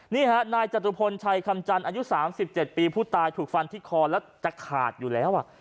นี่ฮะนายจตุพลชัยคำจันทร์อายุ๓๗ปีผู้ตายถูกฟันที่คอแล้วจะขาดอยู่แล้ว